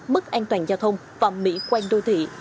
mức an toàn giao thông và mỹ quan đô thị